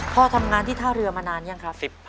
พ่อทำงานที่ท่าเรือมานานยังครับ